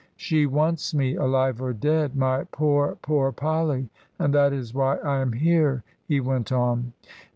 "She wants me, alive or dead, my poor, poor Polly! and that is why I am here," he went on.